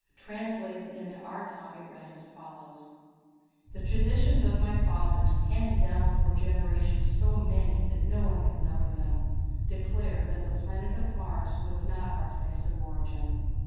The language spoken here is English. Translated into our tongue it ran as follows: "The traditions of my fathers, handed down for generations so many that no one can number them, declare that the planet of Mars was not the place of our origin."